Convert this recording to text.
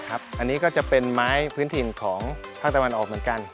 อันนี้ก็จะเป็นไม้พื้นถิ่นของภาคตะวันออกเหมือนกัน